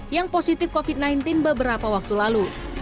yang positif covid sembilan belas beberapa waktu lalu